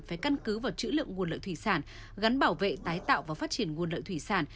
phải căn cứ vào chữ lượng nguồn lợi thủy sản gắn bảo vệ tái tạo và phát triển nguồn lợi thủy sản